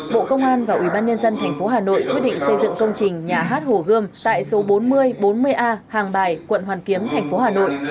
bộ công an và ubnd tp hà nội quyết định xây dựng công trình nhà hát hồ gươm tại số bốn mươi bốn mươi a hàng bài quận hoàn kiếm thành phố hà nội